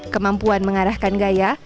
kemampuan mengarahkan gaya